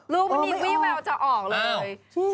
ลูกมันนี้วี่แววจะออกเลย